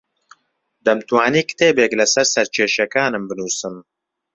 دەمتوانی کتێبێک لەسەر سەرکێشییەکانم بنووسم.